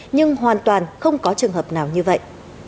nhưng hoàn toàn không có trường hợp nào như vậy